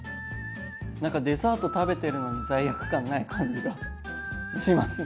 何かデザート食べてるのに罪悪感ない感じがしますね。